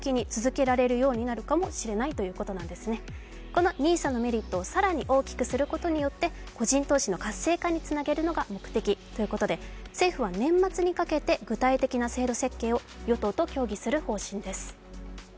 このＮＩＳＡのメリットを更に大きくすることによって個人投資の活性化につなげるのが目的ということで、政府は年末にかけて具体的な制度設計を与党と協議する方針です。